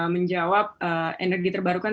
menjawab energi terbarukan